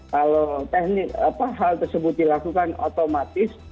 kalau hal tersebut dilakukan otomatis